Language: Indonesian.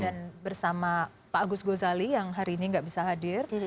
dan bersama pak agus gozali yang hari ini tidak bisa hadir